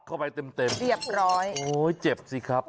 โอ้ยเจ็บสิครับ